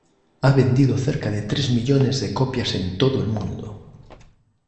Ha vendido cerca de tres millones de copias en todo el mundo.